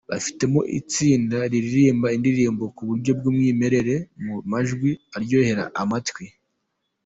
Bifitemo n'itsinda ririmba indirimbo kuburyo bw'umwimerere, mu majwi aryoheye amatwi.